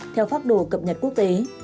theo pháp đồ cập nhật quốc tế